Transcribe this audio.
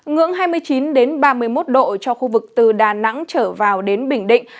ngưỡng hai mươi chín ba mươi một độ cho khu vực từ đà nẵng trở vào đến bình định